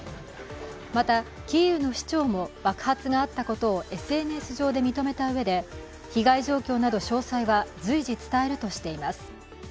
また、キーウの市長も爆発があったことをＳＮＳ上で認めたうえで、被害状況など詳細は随時伝えるとしています。